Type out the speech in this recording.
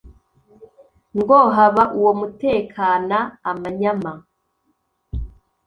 Ngo "haba uwo mutekana amanyama,